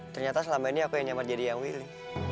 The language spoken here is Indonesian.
ternyata selama ini aku yang nyamar jadi yang willy